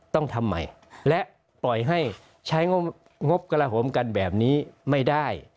ต้องทำใหม่และปล่อยให้ใช้งบกระโหมกันแบบนี้ไม่ได้